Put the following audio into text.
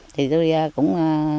thì tôi cũng